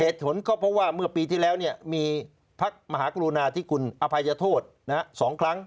เหตุผลก็เพราะว่าเมื่อปีที่แล้วมีพระมหากรุณาธิคุณอภัยโทษ๒ครั้ง